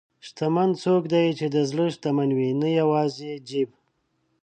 شتمن څوک دی چې د زړه شتمن وي، نه یوازې جیب.